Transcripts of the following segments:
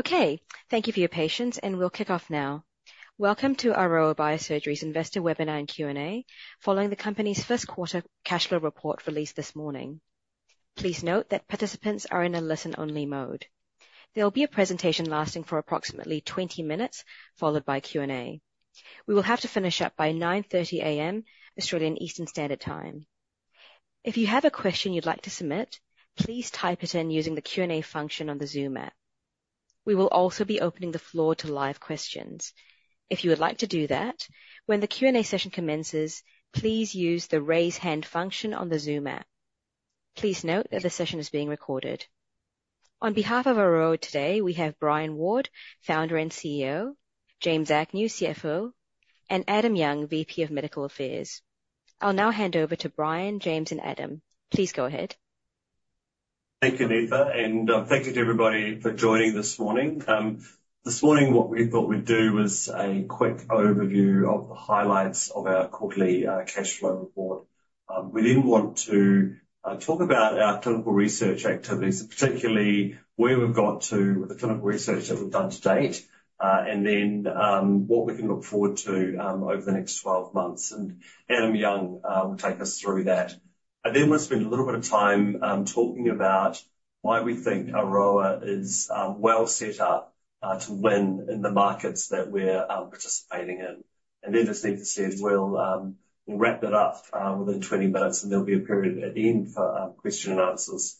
Okay, thank you for your patience, and we'll kick off now. Welcome to Aroa Biosurgery's Investor Webinar and Q&A, following the company's first quarter cash flow report released this morning. Please note that participants are in a listen-only mode. There will be a presentation lasting for approximately 20 minutes, followed by Q&A. We will have to finish up by 9:30 A.M., Australian Eastern Standard Time. If you have a question you'd like to submit, please type it in using the Q&A function on the Zoom app. We will also be opening the floor to live questions. If you would like to do that, when the Q&A session commences, please use the Raise Hand function on the Zoom app. Please note that the session is being recorded. On behalf of Aroa today, we have Brian Ward, Founder and CEO, James Agnew, CFO, and Adam Young, VP of Medical Affairs. I'll now hand over to Brian, James, and Adam. Please go ahead. Thank you, Nipa, and thank you to everybody for joining this morning. This morning, what we thought we'd do was a quick overview of the highlights of our quarterly cash flow report. We then want to talk about our clinical research activities, particularly where we've got to with the clinical research that we've done to date, and then what we can look forward to over the next 12 months, and Adam Young will take us through that. I then want to spend a little bit of time talking about why we think Aroa is well set up to win in the markets that we're participating in. And then, as Nipa said, we'll wrap it up within 20 minutes, and there'll be a period at the end for question and answers.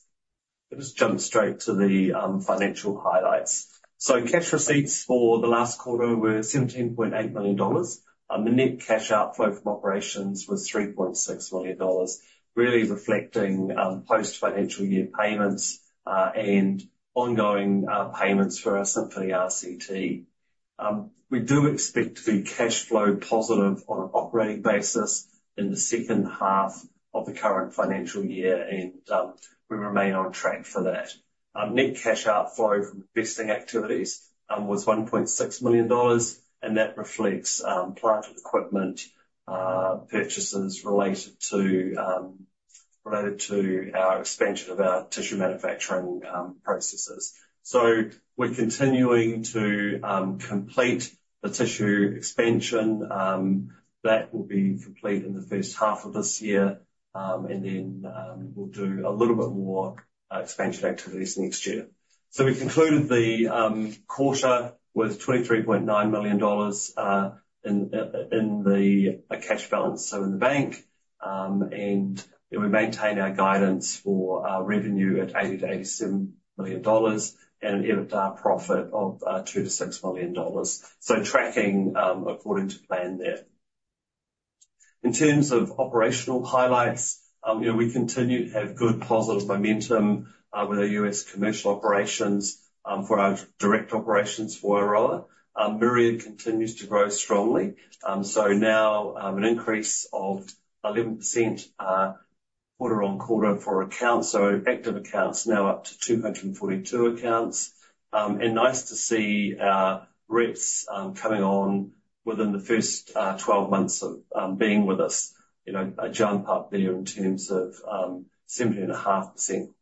Let us jump straight to the financial highlights. Cash receipts for the last quarter were 17.8 million dollars. The net cash outflow from operations was 3.6 million dollars, really reflecting post-financial year payments and ongoing payments for our Symphony RCT. We do expect to be cash flow positive on an operating basis in the second half of the current financial year, and we remain on track for that. Net cash outflow from investing activities was 1.6 million dollars, and that reflects plant equipment purchases related to our expansion of our tissue manufacturing processes. So we're continuing to complete the tissue expansion. That will be complete in the first half of this year, and then, we'll do a little bit more expansion activities next year. So we concluded the quarter with $23.9 million in the cash balance, so in the bank. And we maintain our guidance for our revenue at $80 million-$87 million and an EBITDA profit of $2 million-$6 million, so tracking according to plan there. In terms of operational highlights, you know, we continue to have good positive momentum with our U.S. commercial operations for our direct operations for Aroa. Myriad continues to grow strongly. So now, an increase of 11% quarter-on-quarter for accounts, so active accounts now up to 242 accounts. Nice to see our reps coming on within the first 12 months of being with us. You know, a jump up there in terms of 17.5%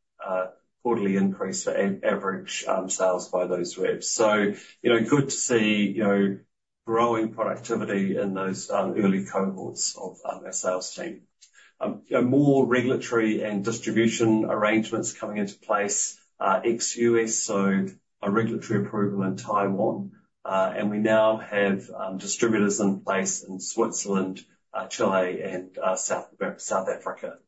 quarterly increase for average sales by those reps. You know, good to see growing productivity in those early cohorts of our sales team. More regulatory and distribution arrangements coming into place ex-US, so a regulatory approval in Taiwan. We now have distributors in place in Switzerland, Chile, and South Africa.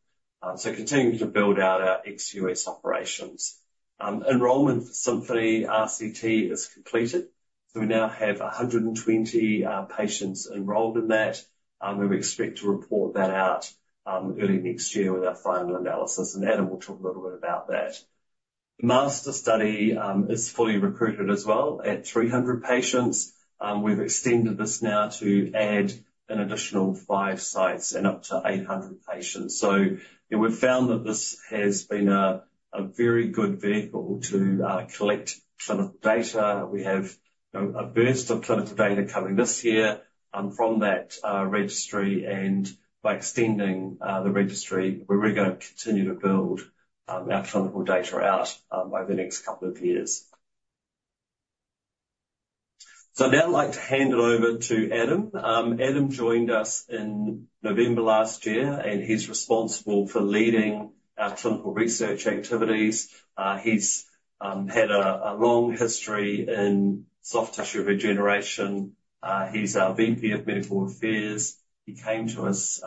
Continuing to build out our ex-US operations. Enrollment for Symphony RCT is completed, so we now have 120 patients enrolled in that. We expect to report that out early next year with our final analysis, and Adam will talk a little bit about that. The MASTR study is fully recruited as well, at 300 patients. We've extended this now to add an additional five sites and up to 800 patients. So, you know, we've found that this has been a very good vehicle to collect clinical data. We have, you know, a burst of clinical data coming this year from that registry, and by extending the registry, we're really going to continue to build our clinical data out over the next couple of years. So I'd now like to hand it over to Adam. Adam joined us in November last year, and he's responsible for leading our clinical research activities. He's had a long history in soft tissue regeneration. He's our VP of Medical Affairs. He came to us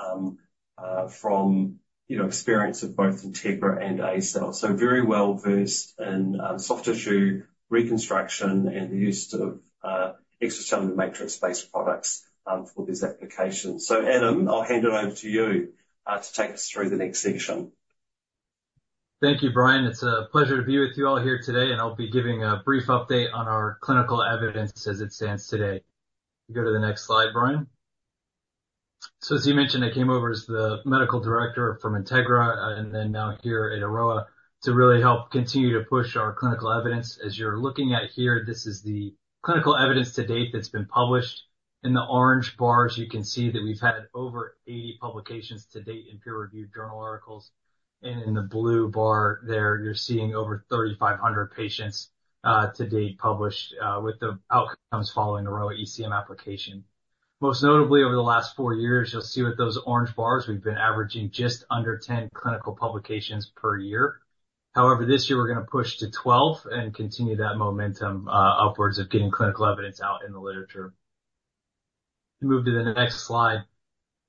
from, you know, experience of both Integra and ACell, so very well-versed in soft tissue reconstruction and the use of extracellular matrix-based products for these applications. So Adam, I'll hand it over to you to take us through the next section. Thank you, Brian. It's a pleasure to be with you all here today, and I'll be giving a brief update on our clinical evidence as it stands today. Go to the next slide, Brian. So as you mentioned, I came over as the medical director from Integra, and then now here at Aroa, to really help continue to push our clinical evidence. As you're looking at here, this is the clinical evidence to date that's been published. In the orange bars, you can see that we've had over 80 publications to date in peer-reviewed journal articles, and in the blue bar there, you're seeing over 3,500 patients to date published with the outcomes following the Aroa ECM application. Most notably, over the last four years, you'll see with those orange bars, we've been averaging just under 10 clinical publications per year. However, this year, we're going to push to 12 and continue that momentum upwards of getting clinical evidence out in the literature. Move to the next slide.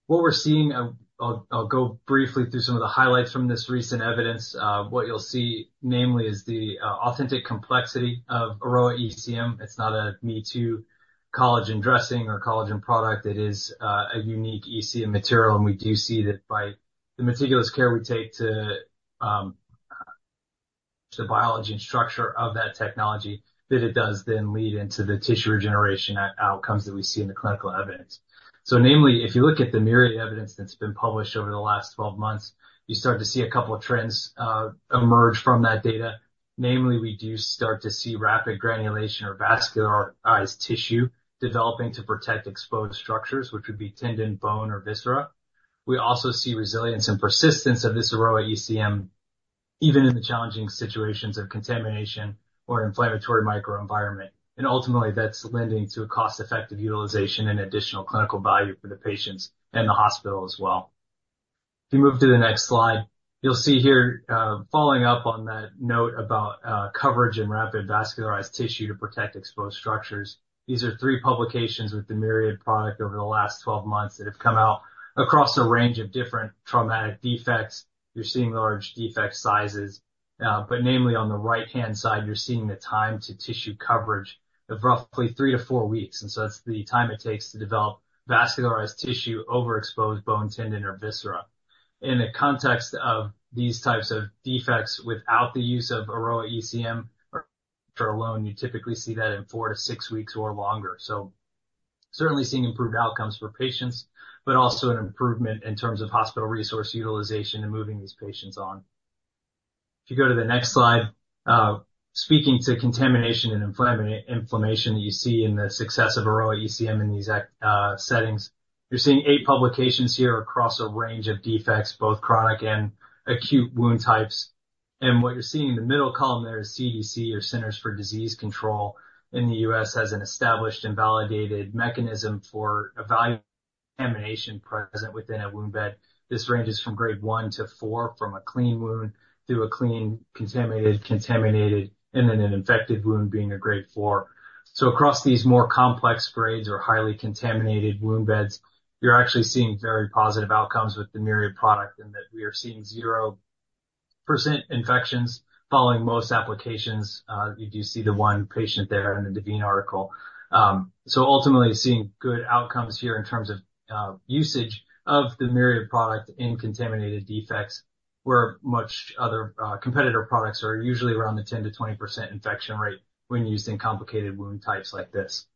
What we're seeing, I'll go briefly through some of the highlights from this recent evidence. What you'll see, namely, is the authentic complexity of Aroa ECM. It's not a me-too collagen dressing or collagen product. It is a unique ECM material, and we do see that by the meticulous care we take to the biology and structure of that technology, that it does then lead into the tissue regeneration outcomes that we see in the clinical evidence. So namely, if you look at the Myriad evidence that's been published over the last 12 months, you start to see a couple of trends emerge from that data. Namely, we do start to see rapid granulation or vascularized tissue developing to protect exposed structures, which would be tendon, bone, or viscera. We also see resilience and persistence of this Aroa ECM, even in the challenging situations of contamination or inflammatory microenvironment. And ultimately, that's lending to a cost-effective utilization and additional clinical value for the patients and the hospital as well. If you move to the next slide, you'll see here, following up on that note about, coverage and rapid vascularized tissue to protect exposed structures. These are three publications with the Myriad product over the last 12 months that have come out across a range of different traumatic defects. You're seeing large defect sizes, but namely, on the right-hand side, you're seeing the time to tissue coverage of roughly 3-4 weeks, and so that's the time it takes to develop vascularized tissue over exposed bone, tendon, or viscera. In the context of these types of defects, without the use of Aroa ECM or alone, you typically see that in 4-6 weeks or longer. So certainly seeing improved outcomes for patients, but also an improvement in terms of hospital resource utilization and moving these patients on. If you go to the next slide, speaking to contamination and inflammation, you see in the success of Aroa ECM in these settings, you're seeing 8 publications here across a range of defects, both chronic and acute wound types. What you're seeing in the middle column there is CDC, or Centers for Disease Control, in the U.S., has an established and validated mechanism for evaluating contamination present within a wound bed. This ranges from grade one to four, from a clean wound to a clean-contaminated, contaminated, and then an infected wound being a grade four. So across these more complex grades or highly contaminated wound beds, you're actually seeing very positive outcomes with the Myriad product, and that we are seeing 0% infections following most applications. You do see the one patient there in the Desvigne article. So ultimately, seeing good outcomes here in terms of usage of the Myriad product in contaminated defects, where much other competitor products are usually around the 10%-20% infection rate when used in complicated wound types like this.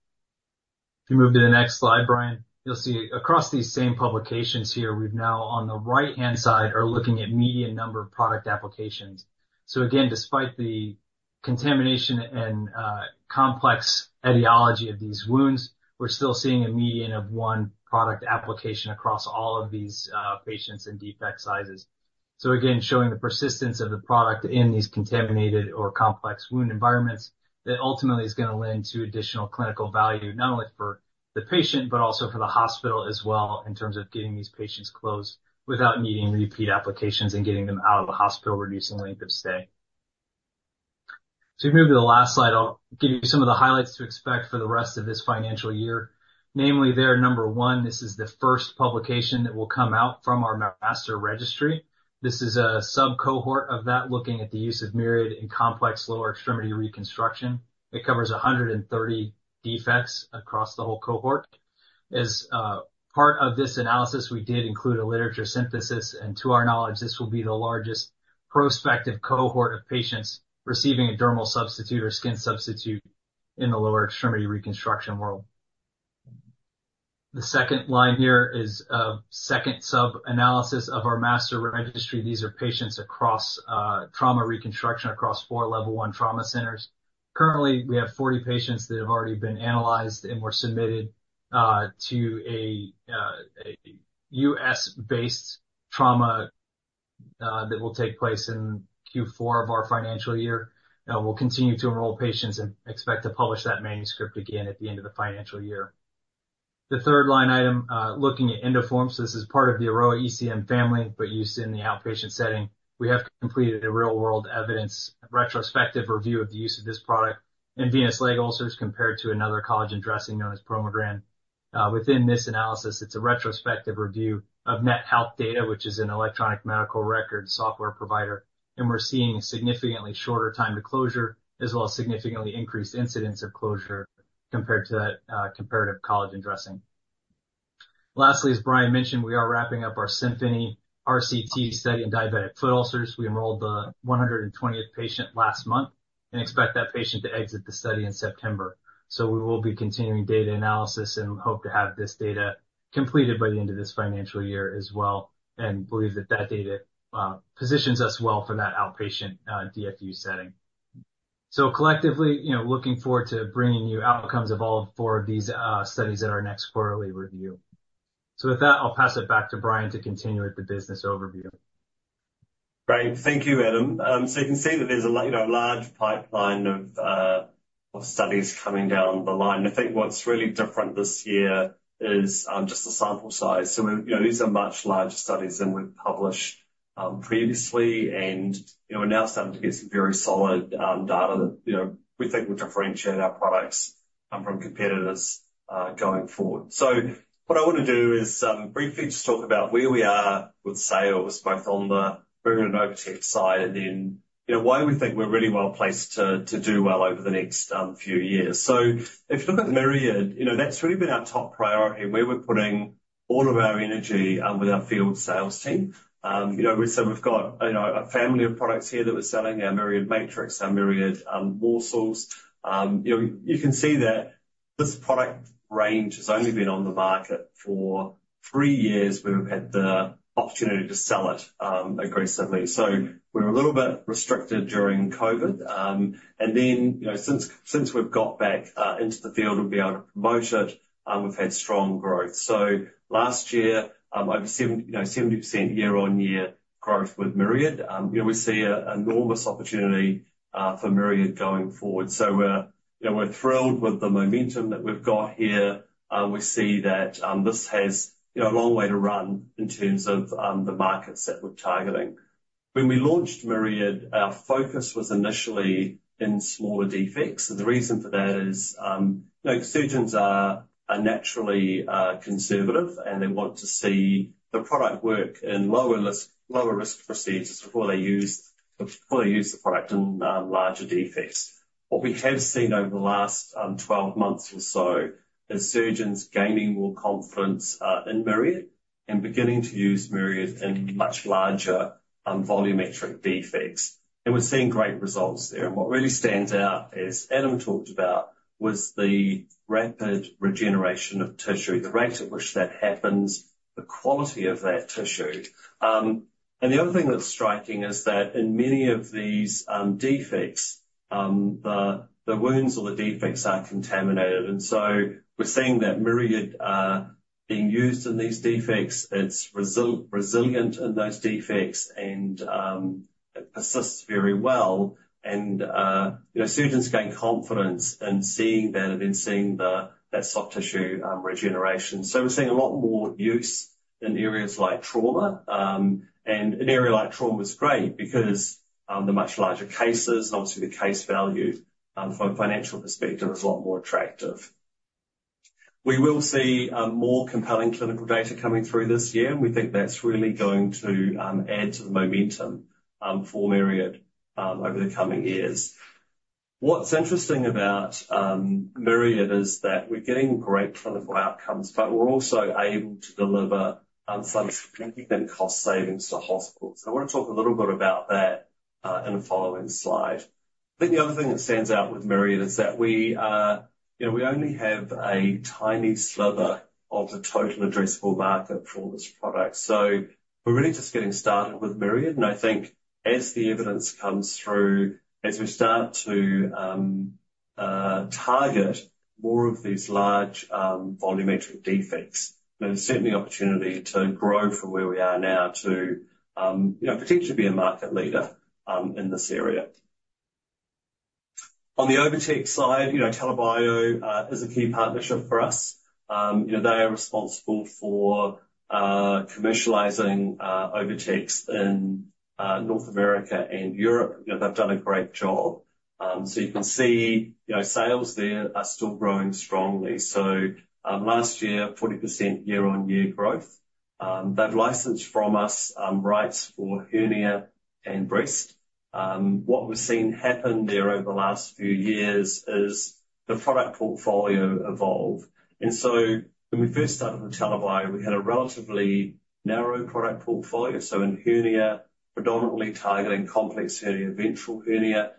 If you move to the next slide, Brian, you'll see across these same publications here, we've now, on the right-hand side, are looking at median number of product applications. So again, despite the contamination and complex etiology of these wounds, we're still seeing a median of one product application across all of these patients and defect sizes. So again, showing the persistence of the product in these contaminated or complex wound environments, that ultimately is going to lend to additional clinical value, not only for the patient, but also for the hospital as well, in terms of getting these patients closed without needing repeat applications and getting them out of the hospital, reducing length of stay. To move to the last slide, I'll give you some of the highlights to expect for the rest of this financial year. Namely, there, number one, this is the first publication that will come out from our MASTR registry. This is a subcohort of that, looking at the use of Myriad in complex lower extremity reconstruction. It covers 130 defects across the whole cohort. As part of this analysis, we did include a literature synthesis, and to our knowledge, this will be the largest prospective cohort of patients receiving a dermal substitute or skin substitute in the lower extremity reconstruction world. The second line here is a second sub-analysis of our MASTR registry. These are patients across trauma reconstruction across four level one trauma centers. Currently, we have 40 patients that have already been analyzed and were submitted to a U.S.-based trauma that will take place in Q4 of our financial year. We'll continue to enroll patients and expect to publish that manuscript again at the end of the financial year. The third line item, looking at Endoform. This is part of the Aroa ECM family, but used in the outpatient setting. We have completed a real-world evidence, retrospective review of the use of this product in venous leg ulcers compared to another collagen dressing known as Promogran. Within this analysis, it's a retrospective review of Net Health data, which is an electronic medical record software provider, and we're seeing a significantly shorter time to closure, as well as significantly increased incidents of closure compared to that comparative collagen dressing. Lastly, as Brian mentioned, we are wrapping up our Symphony RCT study in diabetic foot ulcers. We enrolled the 120th patient last month and expect that patient to exit the study in September. So we will be continuing data analysis and hope to have this data completed by the end of this financial year as well, and believe that that data positions us well for that outpatient DFU setting. So collectively, you know, looking forward to bringing you outcomes of all four of these studies at our next quarterly review. So with that, I'll pass it back to Brian to continue with the business overview. Great. Thank you, Adam. So you can see that there's a you know, a large pipeline of studies coming down the line. I think what's really different this year is just the sample size. So we're, you know, these are much larger studies than we've published previously, and, you know, we're now starting to get some very solid data that, you know, we think will differentiate our products from competitors going forward. So what I want to do is briefly just talk about where we are with sales, both on the Myriad and OviTex side, and then, you know, why we think we're really well placed to to do well over the next few years. So if you look at Myriad, you know, that's really been our top priority, and where we're putting all of our energy, with our field sales team. You know, we, so we've got, you know, a family of products here that we're selling, our Myriad Matrix, our Myriad Morcells. You know, you can see that this product range has only been on the market for three years, where we've had the opportunity to sell it, aggressively. So we were a little bit restricted during COVID. And then, you know, since we've got back, into the field and been able to promote it, we've had strong growth. So last year, over 70, you know, 70% year-on-year growth with Myriad. You know, we see an enormous opportunity, for Myriad going forward. So we're, you know, we're thrilled with the momentum that we've got here. We see that this has, you know, a long way to run in terms of the markets that we're targeting. When we launched Myriad, our focus was initially in smaller defects, and the reason for that is, you know, surgeons are naturally conservative, and they want to see the product work in lower less, lower risk procedures before they use the product in larger defects. What we have seen over the last 12 months or so is surgeons gaining more confidence in Myriad and beginning to use Myriad in much larger volumetric defects, and we're seeing great results there. And what really stands out, as Adam talked about, was the rapid regeneration of tissue, the rate at which that happens, the quality of that tissue. And the other thing that's striking is that in many of these defects, the wounds or the defects are contaminated, and so we're seeing that Myriad being used in these defects, it's resilient in those defects and it persists very well, and you know, surgeons gain confidence in seeing that and then seeing the that soft tissue regeneration. So we're seeing a lot more use in areas like trauma, and an area like trauma is great because they're much larger cases. Obviously, the case value from a financial perspective is a lot more attractive. We will see, more compelling clinical data coming through this year, and we think that's really going to, add to the momentum, for Myriad, over the coming years. What's interesting about, Myriad is that we're getting great clinical outcomes, but we're also able to deliver, some significant cost savings to hospitals, and I want to talk a little bit about that, in the following slide. I think the other thing that stands out with Myriad is that we are, you know, we only have a tiny sliver of the total addressable market for this product, so we're really just getting started with Myriad, and I think as the evidence comes through, as we start to target more of these large volumetric defects, there's certainly opportunity to grow from where we are now to, you know, potentially be a market leader in this area. On the OviTex side, you know, TELA Bio is a key partnership for us. You know, they are responsible for commercializing OviTex in North America and Europe. You know, they've done a great job. So you can see, you know, sales there are still growing strongly. So, last year, 40% year-on-year growth. They've licensed from us rights for hernia and breast. What we've seen happen there over the last few years is the product portfolio evolve. And so when we first started with TELA Bio, we had a relatively narrow product portfolio, so in hernia, predominantly targeting complex hernia, ventral hernia.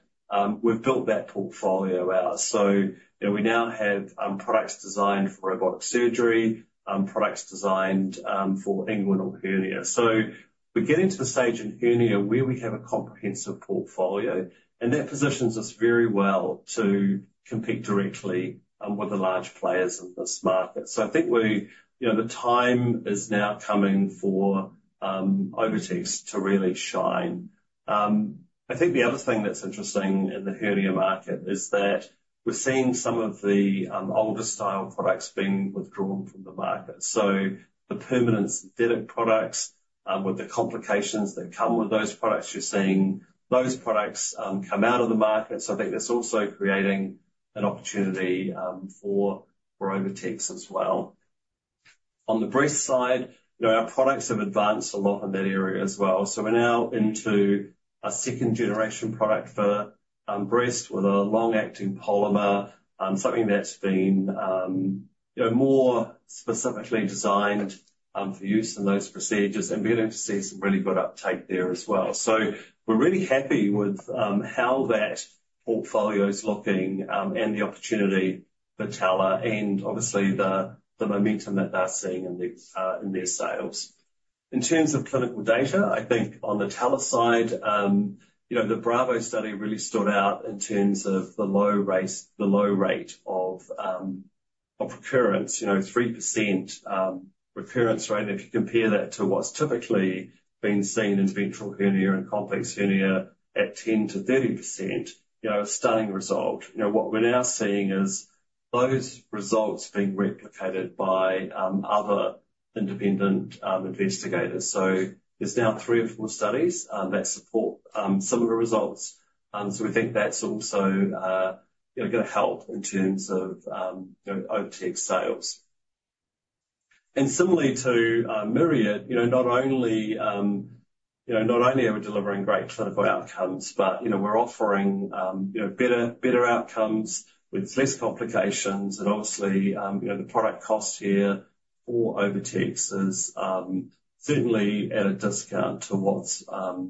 We've built that portfolio out, so, you know, we now have products designed for robotic surgery, products designed for inguinal hernia. So we're getting to the stage in hernia where we have a comprehensive portfolio, and that positions us very well to compete directly with the large players in this market. So I think we—you know, the time is now coming for OviTex to really shine. I think the other thing that's interesting in the hernia market is that we're seeing some of the older style products being withdrawn from the market. So the permanent prosthetic products with the complications that come with those products, you're seeing those products come out of the market, so I think that's also creating an opportunity for OviTex as well. On the breast side, you know, our products have advanced a lot in that area as well. So we're now into a second generation product for breast with a long-acting polymer, something that's been you know, more specifically designed for use in those procedures, and we're going to see some really good uptake there as well. So we're really happy with how that portfolio's looking, and the opportunity for Tela, and obviously the momentum that they're seeing in their sales. In terms of clinical data, I think on the Tela side, you know, the BRAVO study really stood out in terms of the low rate of recurrence, you know, 3% recurrence rate. And if you compare that to what's typically been seen in ventral hernia and complex hernia at 10%-30%, you know, a stunning result. You know, what we're now seeing is those results being replicated by other independent investigators. So there's now three or four studies that support similar results. So we think that's also, you know, gonna help in terms of, you know, OviTex sales. And similarly to Myriad, you know, not only, you know, not only are we delivering great clinical outcomes, but, you know, we're offering, you know, better, better outcomes with less complications and obviously, you know, the product cost here for OviTex is certainly at a discount to what's, you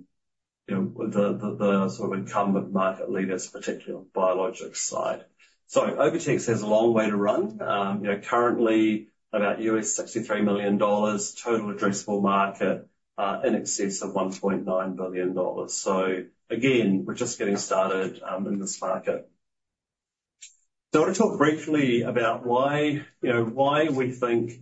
know, the, the, the sort of incumbent market leaders, particularly on the biologics side. So OviTex has a long way to run. You know, currently about $63 million total addressable market in excess of $1.9 billion. So again, we're just getting started in this market. So I want to talk briefly about why, you know, why we think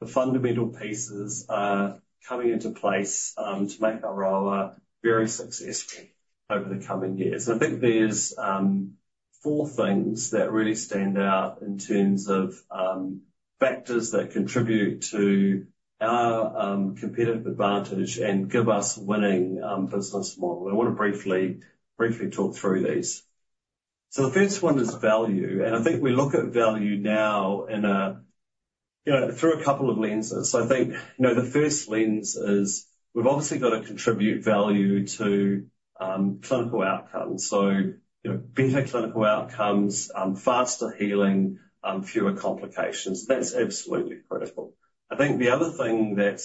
the fundamental pieces are coming into place to make Aroa very successful over the coming years. I think there's four things that really stand out in terms of factors that contribute to our competitive advantage and give us winning business model. I want to briefly, briefly talk through these. So the first one is value, and I think we look at value now in a, you know, through a couple of lenses. I think, you know, the first lens is we've obviously got to contribute value to clinical outcomes. So, you know, better clinical outcomes, faster healing, fewer complications. That's absolutely critical. I think the other thing that,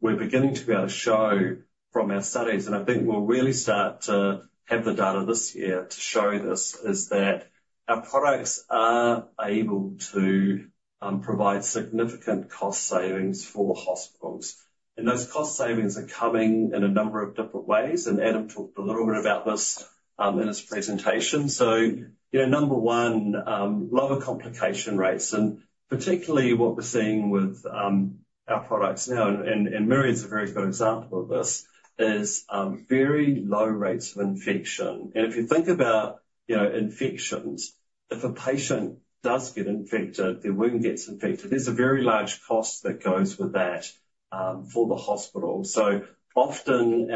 we're beginning to be able to show from our studies, and I think we'll really start to have the data this year to show this, is that our products are able to provide significant cost savings for hospitals, and those cost savings are coming in a number of different ways, and Adam talked a little bit about this in his presentation. So, you know, number one, lower complication rates and particularly what we're seeing with our products now, and Myriad's a very good example of this, is very low rates of infection. And if you think about, you know, infections, if a patient does get infected, their wound gets infected, there's a very large cost that goes with that for the hospital. So often,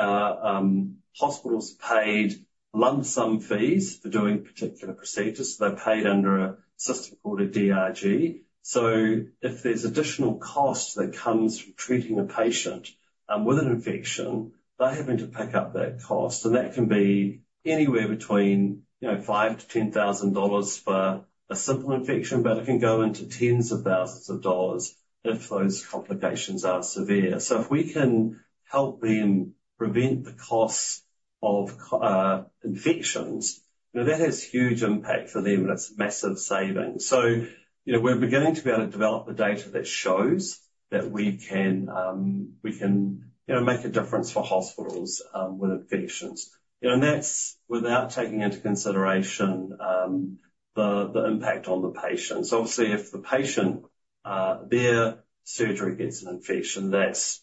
hospitals are paid lump sum fees for doing particular procedures. They're paid under a system called a DRG. So if there's additional cost that comes from treating a patient, with an infection, they're having to pick up that cost, and that can be anywhere between, you know, $5,000-$10,000 for a simple infection, but it can go into tens of thousands of dollars if those complications are severe. So if we can help them prevent the costs of infections, you know, that has huge impact for them, and it's massive savings. So, you know, we're beginning to be able to develop the data that shows that we can, we can, you know, make a difference for hospitals, with infections. You know, and that's without taking into consideration, the impact on the patients. Obviously, if the patient, their surgery gets an infection, that's,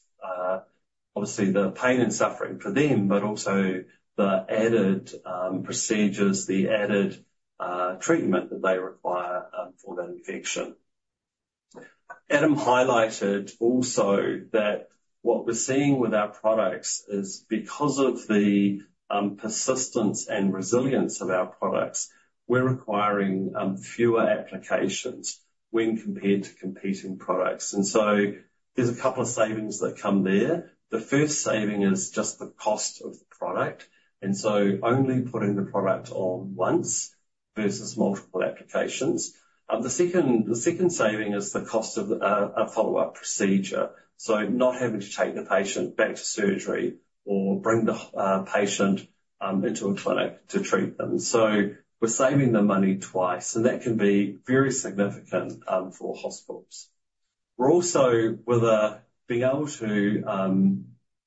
obviously the pain and suffering for them, but also the added, procedures, the added, treatment that they require, for that infection. Adam highlighted also that what we're seeing with our products is because of the, persistence and resilience of our products, we're requiring, fewer applications when compared to competing products, and so there's a couple of savings that come there. The first saving is just the cost of the product, and so only putting the product on once versus multiple applications. The second, the second saving is the cost of a, a follow-up procedure, so not having to take the patient back to surgery or bring the patient, into a clinic to treat them. So we're saving them money twice, and that can be very significant, for hospitals. We're also with being able to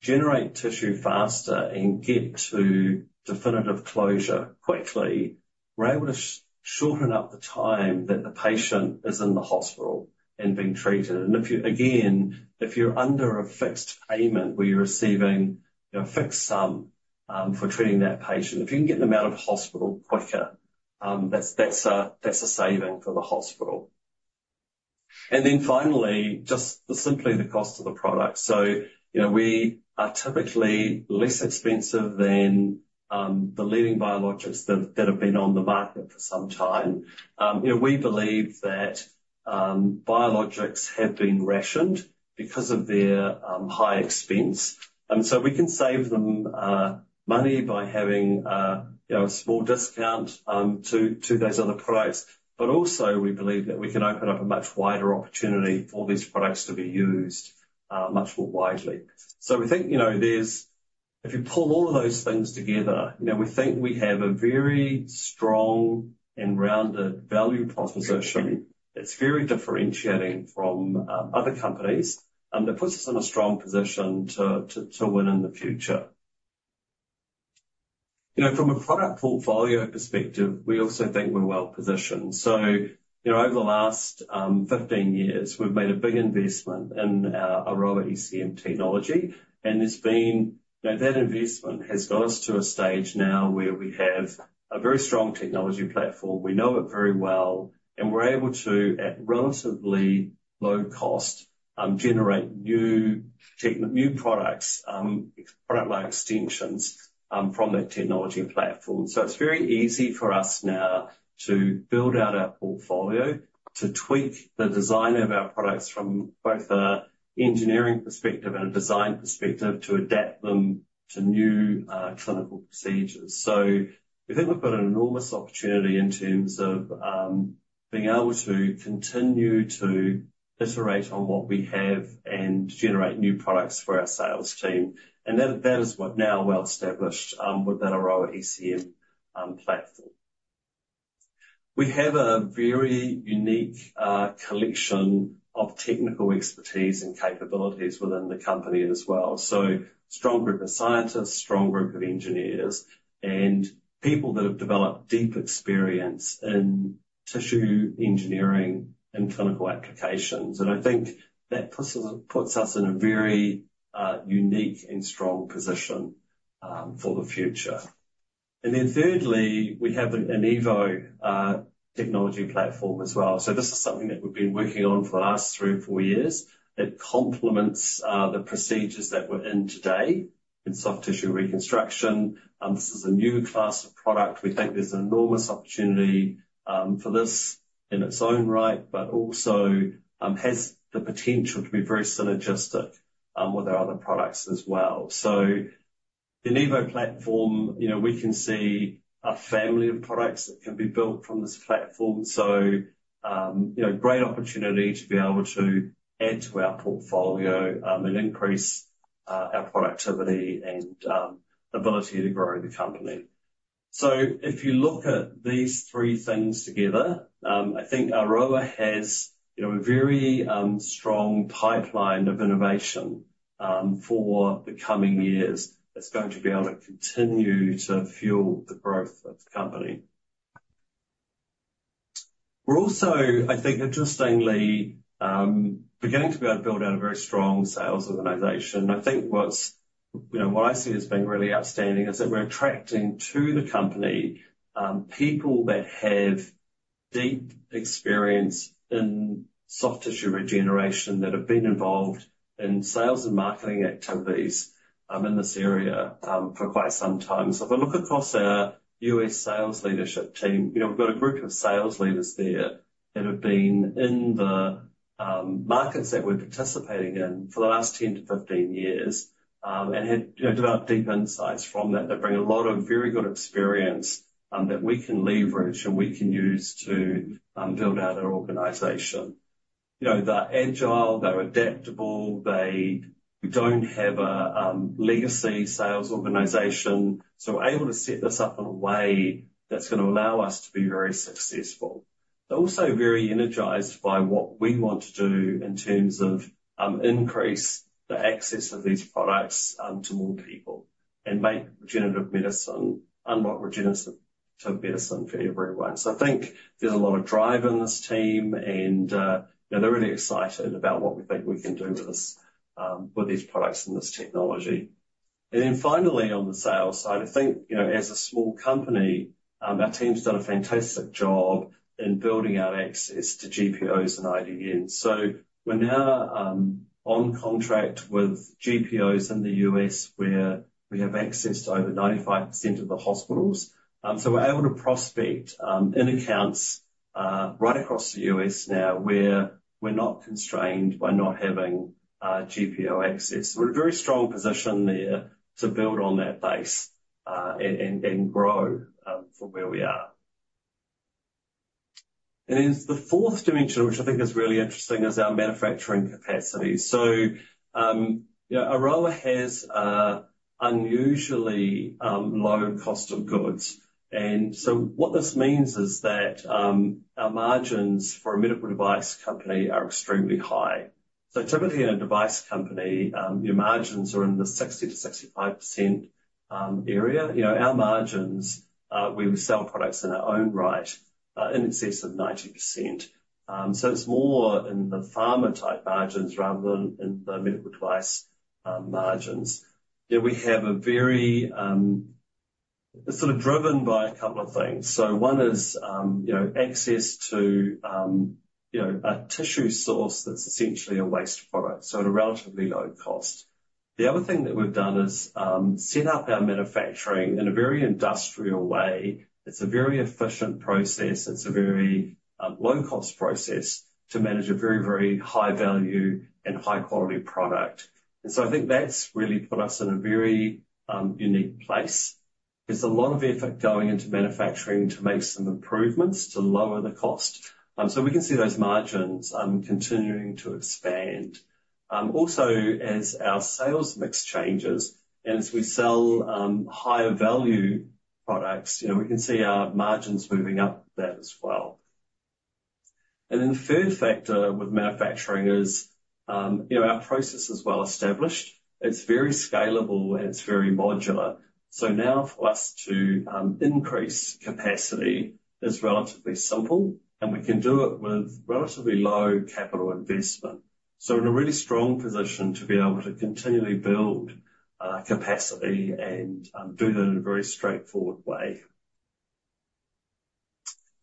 generate tissue faster and get to definitive closure quickly, we're able to shorten up the time that the patient is in the hospital and being treated. And if you, again, if you're under a fixed payment where you're receiving a fixed sum for treating that patient, if you can get them out of hospital quicker, that's a saving for the hospital. And then finally, just simply the cost of the product. So, you know, we are typically less expensive than the leading biologics that have been on the market for some time. You know, we believe that biologics have been rationed because of their high expense, and so we can save them money by having, you know, a small discount to those other products. But also we believe that we can open up a much wider opportunity for these products to be used, much more widely. So we think, you know, there's. If you pull all of those things together, you know, we think we have a very strong and rounded value proposition that's very differentiating from other companies, and that puts us in a strong position to win in the future. You know, from a product portfolio perspective, we also think we're well-positioned. So, you know, over the last 15 years, we've made a big investment in our Aroa ECM technology, and it's been. Now, that investment has got us to a stage now where we have a very strong technology platform. We know it very well, and we're able to, at relatively low cost, generate new tech, new products, product line extensions, from that technology platform. So it's very easy for us now to build out our portfolio, to tweak the design of our products from both an engineering perspective and a design perspective, to adapt them to new, clinical procedures. So we think we've got an enormous opportunity in terms of, being able to continue to iterate on what we have and generate new products for our sales team, and that, that is what now well established, with that Aroa ECM, platform. We have a very unique, collection of technical expertise and capabilities within the company as well. So strong group of scientists, strong group of engineers, and people that have developed deep experience in tissue engineering and clinical applications. I think that puts us in a very unique and strong position for the future. Then thirdly, we have an Enovo technology platform as well. So this is something that we've been working on for the last three to four years. It complements the procedures that we're in today in soft tissue reconstruction. This is a new class of product. We think there's enormous opportunity for this in its own right, but also has the potential to be very synergistic with our other products as well. So the Enovo platform, you know, we can see a family of products that can be built from this platform. So, you know, great opportunity to be able to add to our portfolio and increase our productivity and ability to grow the company. So if you look at these three things together, I think Aroa has, you know, a very strong pipeline of innovation for the coming years, that's going to be able to continue to fuel the growth of the company. We're also, I think, interestingly, beginning to be able to build out a very strong sales organization. I think what's, you know, what I see as being really outstanding is that we're attracting to the company people that have deep experience in soft tissue regeneration, that have been involved in sales and marketing activities in this area for quite some time. So if I look across our U.S. sales leadership team, you know, we've got a group of sales leaders there that have been in the markets that we're participating in for the last 10-15 years, and have, you know, developed deep insights from that. They bring a lot of very good experience that we can leverage and we can use to build out our organization. You know, they're agile, they're adaptable, they don't have a legacy sales organization, so we're able to set this up in a way that's gonna allow us to be very successful. They're also very energized by what we want to do in terms of increase the access of these products to more people and make regenerative medicine, unlock regenerative medicine for everyone. So I think there's a lot of drive in this team, and, you know, they're really excited about what we think we can do with this, with these products and this technology. And then finally, on the sales side, I think, you know, as a small company, our team's done a fantastic job in building out access to GPOs and IDNs. So we're now on contract with GPOs in the US, where we have access to over 95% of the hospitals. So we're able to prospect in accounts right across the US now, where we're not constrained by not having GPO access. We're in a very strong position there to build on that base, and grow from where we are. And then the fourth dimension, which I think is really interesting, is our manufacturing capacity. So, you know, Aroa has an unusually low cost of goods, and so what this means is that our margins for a medical device company are extremely high. So typically in a device company, your margins are in the 60%-65% area. You know, our margins, we sell products in our own right, in excess of 90%. So it's more in the pharma-type margins rather than in the medical device margins. Yeah, we have a very... It's sort of driven by a couple of things. So one is, you know, access to, you know, a tissue source that's essentially a waste product, so at a relatively low cost. The other thing that we've done is set up our manufacturing in a very industrial way. It's a very efficient process. It's a very, low-cost process to manage a very, very high-value and high-quality product. And so I think that's really put us in a very, unique place.... There's a lot of effort going into manufacturing to make some improvements to lower the cost. So we can see those margins, continuing to expand. Also, as our sales mix changes and as we sell, higher value products, you know, we can see our margins moving up there as well. And then the third factor with manufacturing is, you know, our process is well established. It's very scalable, and it's very modular. So now for us to, increase capacity is relatively simple, and we can do it with relatively low capital investment. So in a really strong position to be able to continually build, capacity and, do that in a very straightforward way.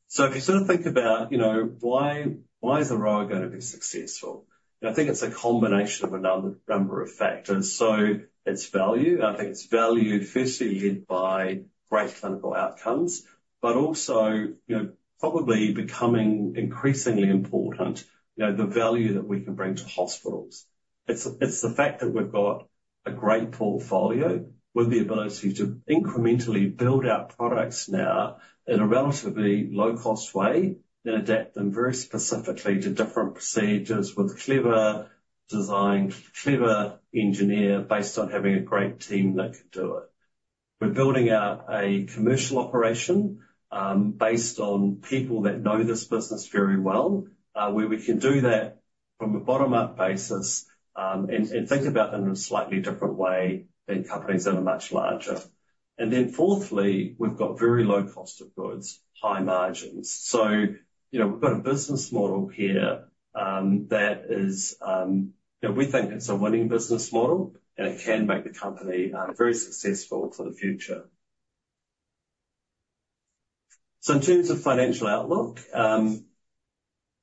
So if you sort of think about, you know, why, why is Aroa going to be successful? I think it's a combination of a number of factors. So it's value. I think it's value, firstly, led by great clinical outcomes, but also, you know, probably becoming increasingly important, you know, the value that we can bring to hospitals. It's the fact that we've got a great portfolio with the ability to incrementally build our products now in a relatively low-cost way and adapt them very specifically to different procedures with clever design, clever engineering, based on having a great team that can do it. We're building out a commercial operation, based on people that know this business very well, where we can do that from a bottom-up basis, and think about it in a slightly different way than companies that are much larger. And then fourthly, we've got very low cost of goods, high margins. So, you know, we've got a business model here, that is, you know, we think it's a winning business model, and it can make the company, very successful for the future. So in terms of financial outlook, you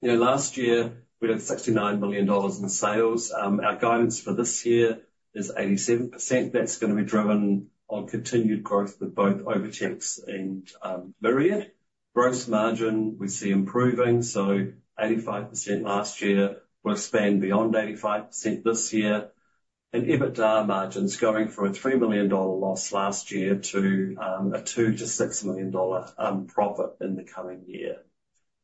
know, last year we had 69 million dollars in sales. Our guidance for this year is 87%. That's gonna be driven on continued growth with both OviTex and, Myriad. Gross margin, we see improving, so 85% last year, we'll expand beyond 85% this year. And EBITDA margins going from an 3 million dollar loss last year to, a 2 million-6 million dollar, profit in the coming year.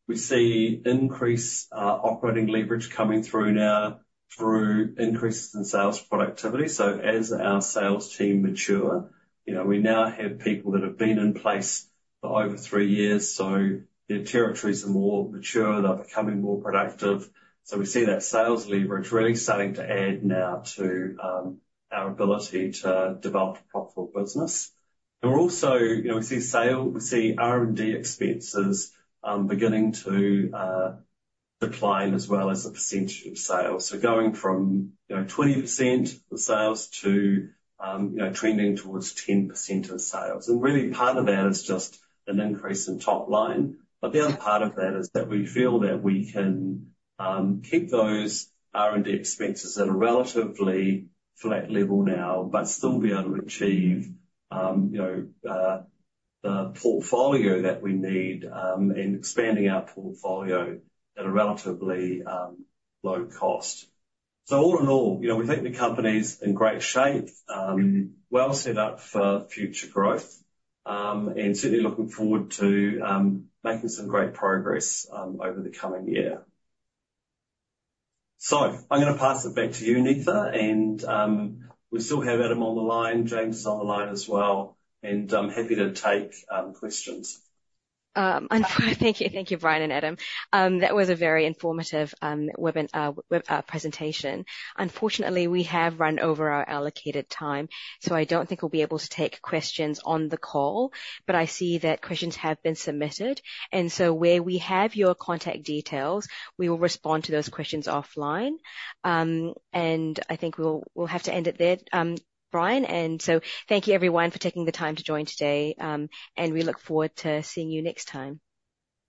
We see increased, operating leverage coming through now through increases in sales productivity. So as our sales team mature, you know, we now have people that have been in place for over three years, so their territories are more mature, they're becoming more productive. So we see that sales leverage really starting to add now to our ability to develop a profitable business. And we're also, you know, we see R&D expenses beginning to decline as well as a percentage of sales. So going from, you know, 20% of sales to, you know, trending towards 10% of sales. And really, part of that is just an increase in top line. But the other part of that is that we feel that we can keep those R&D expenses at a relatively flat level now, but still be able to achieve you know the portfolio that we need and expanding our portfolio at a relatively low cost. So all in all, you know, we think the company's in great shape, well set up for future growth, and certainly looking forward to making some great progress over the coming year. So I'm gonna pass it back to you, Nipa, and we still have Adam on the line. James is on the line as well, and I'm happy to take questions. Thank you. Thank you, Brian and Adam. That was a very informative webinar presentation. Unfortunately, we have run over our allocated time, so I don't think we'll be able to take questions on the call, but I see that questions have been submitted, and so where we have your contact details, we will respond to those questions offline. And I think we'll have to end it there, Brian. And so thank you, everyone, for taking the time to join today, and we look forward to seeing you next time.